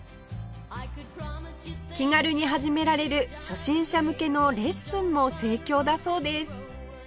気軽に始められる初心者向けのレッスンも盛況だそうです